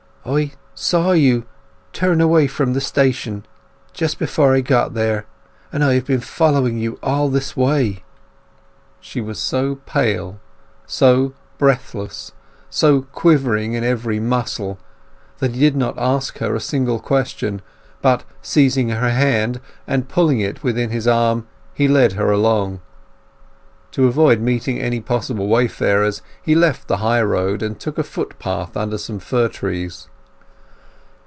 "I saw you—turn away from the station—just before I got there—and I have been following you all this way!" She was so pale, so breathless, so quivering in every muscle, that he did not ask her a single question, but seizing her hand, and pulling it within his arm, he led her along. To avoid meeting any possible wayfarers he left the high road and took a footpath under some fir trees.